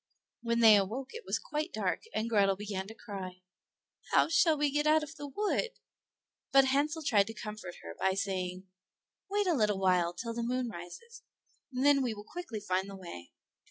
When they awoke it was quite dark, and Grethel began to cry; "How shall we get out of the wood?" But Hansel tried to comfort her by saying, "Wait a little while till the moon rises, and then we will quickly find the way."